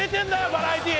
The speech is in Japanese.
バラエティー！